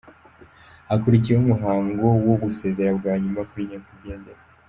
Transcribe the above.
Hakurikiyeho umuhango wo gusezera bwa nyuma kuri Nyakwigendera.